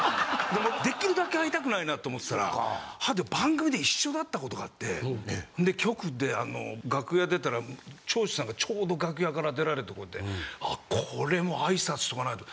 できるだけ会いたくないなって思ったら番組で一緒だったことがあってで局で楽屋出たら長州さんがちょうど楽屋から出られたところでこれもう挨拶しとかないと。